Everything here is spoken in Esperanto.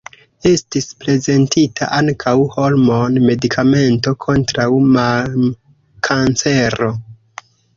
Estis prezentita ankaŭ hormon-medikamento kontraŭ mamkancero.